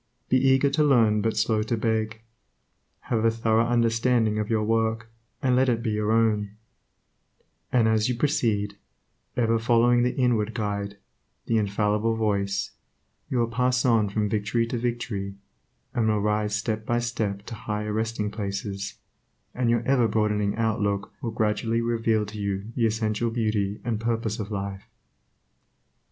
Be eager to learn, but slow to beg. Have a thorough understanding of your work, and let it be your own; and as you proceed, ever following the inward Guide, the infallible Voice, you will pass on from victory to victory, and will rise step by step to higher resting places, and your ever broadening outlook will gradually reveal to you the essential beauty and purpose of life.